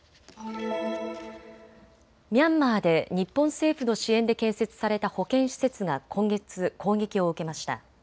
ミャンマーで日本政府の支援で建設された保健施設が今月、攻撃を受けました。